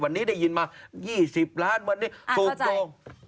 วันนี้ได้ยินมา๒๐ล้านวันนี้ถูกโยง